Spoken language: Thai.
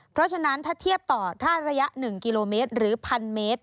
เพราะฉะนั้นถ้าเทียบต่อถ้าระยะ๑กิโลเมตรหรือ๑๐๐เมตร